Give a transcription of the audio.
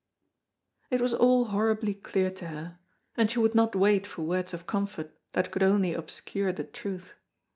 It was all horribly clear to her, and she would not wait for words of comfort that could only obscure the truth.